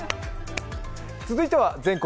続いては「全国！